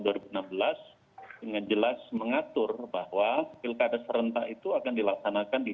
dengan jelas mengatur bahwa pilkada serentak itu akan dilaksanakan di dua ribu dua puluh empat